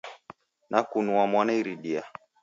Nakunua mwana iridia.